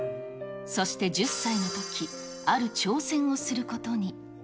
そして１０歳のとき、ある挑戦をすることに。